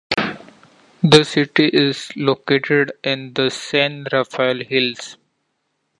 The city is located in the San Rafael Hills.